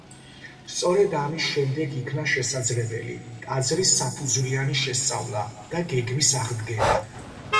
სწორედ ამის შემდეგ იქნა შესაძლებელი ტაძრის საფუძვლიანი შესწავლა და გეგმის აღდგენა.